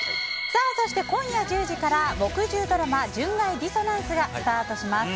そして、今夜１０時から木１０ドラマ「純愛ディソナンス」がスタートします。